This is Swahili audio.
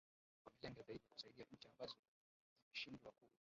wamelenga zaidi kusaidia nchi ambazo zimeshindwa ku